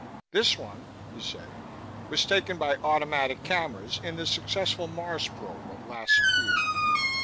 "This one," he said, "was taken by automatic cameras in the successful Mars probe of last year."